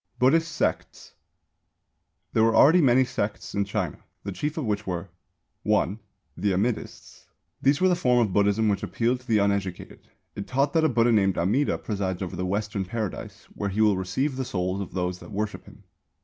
BUDDHIST SECTS. There were already many sects in China, the chief of which were: (1) The Amidists. This was the form of Buddhism which appealed to the uneducated. It taught that a Buddha named Amida presides over the Western Paradise, where he will receive the souls of those that worship him.